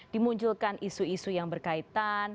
dimunculkan isu isu yang berkaitan